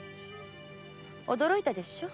驚いたでしょ。